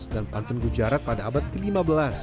dan pantun gujarat pada abad ke lima belas